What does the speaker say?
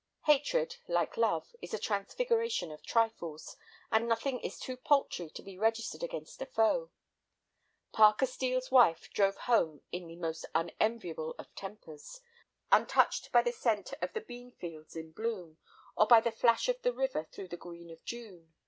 Hatred, like love, is a transfiguration of trifles, and nothing is too paltry to be registered against a foe. Parker Steel's wife drove home in the most unenviable of tempers, untouched by the scent of the bean fields in bloom, or by the flash of the river through the green of June.